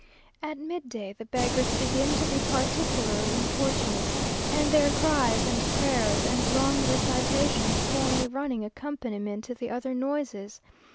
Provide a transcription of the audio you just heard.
At midday the beggars begin to be particularly importunate, and their cries, and prayers, and long recitations, form a running accompaniment to the other noises.